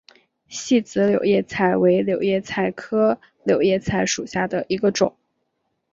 细籽柳叶菜为柳叶菜科柳叶菜属下的一个种。